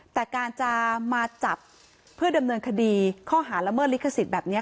แต่การจะมาจับเพื่อดำเนินคดีข้อหาละเมิดลิขสิทธิ์แบบนี้